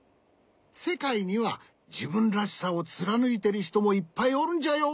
せかいにはじぶんらしさをつらぬいてるひともいっぱいおるんじゃよ。